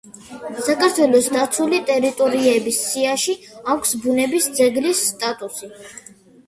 საქართველოს დაცული ტერიტორიების სიაში აქვს ბუნების ძეგლის სტატუსი.